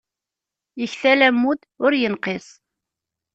Iktal ammud, ur inqis.